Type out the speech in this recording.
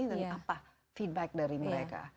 dan apa feedback dari mereka